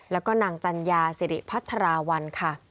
และก็นางจัญญาสิริพัทราวัน